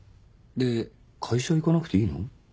で会社行かなくていいの？